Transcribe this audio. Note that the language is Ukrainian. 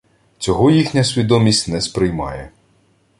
Цього їхня свідомість не сприймає